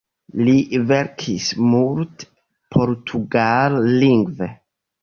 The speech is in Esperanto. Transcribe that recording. Li verkis multe portugallingve.